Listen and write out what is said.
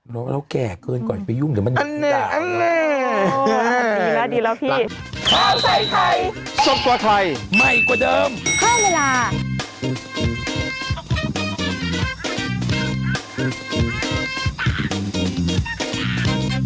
น้องแล้วแก่เกินก่อนไปยุ่งเดี๋ยวมันหยุดด่า